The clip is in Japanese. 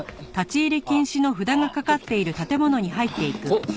あっ！